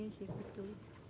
yang ini sih gitu